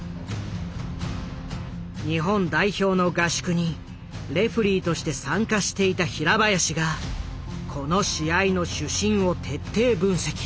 日本代表の合宿にレフェリーとして参加していた平林がこの試合の主審を徹底分析。